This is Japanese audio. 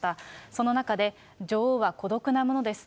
その中で、女王は孤独なものです。